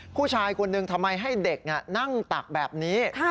ผู้ชายคนหนึ่งทำไมให้เด็กนั่งตักแบบนี้